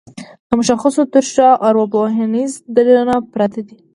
د مشخصولو تر شا ارواپوهنيز دليلونه پراته دي.